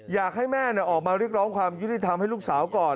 อยากให้แม่ออกมาเรียกร้องความยุติธรรมให้ลูกสาวก่อน